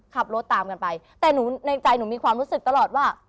ขับรถตามกันไปแต่หนูในใจหนูมีความรู้สึกตลอดว่า